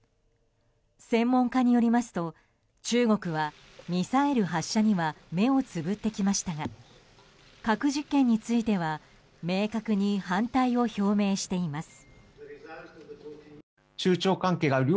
専門家によりますと中国はミサイル発射には目をつぶってきましたが核実験については明確に反対を表明しています。